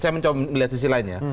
saya mencoba melihat sisi lainnya